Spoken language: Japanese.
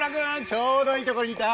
ちょうどいいところにいた。